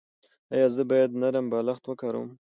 ایا زه باید نرم بالښت وکاروم؟